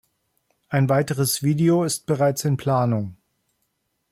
Ein weiteres Video ist bereits in Planung.